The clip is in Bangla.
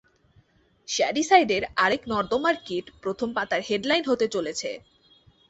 শ্যাডিসাইডের আরেক নর্দমার কীট প্রথম পাতার হেডলাইন হতে চলেছে!